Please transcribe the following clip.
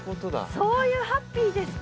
そういうハッピーですか。